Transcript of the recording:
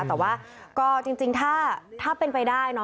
แต่ว่าก็จริงถ้าเป็นไปได้